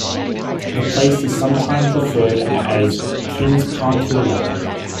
The place is sometimes referred as King's Park Hill Level.